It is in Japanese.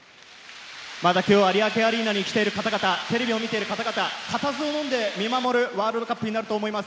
有明アリーナに来ている方々、テレビを見ている方々、固唾をのんで見守るワールドカップになると思います。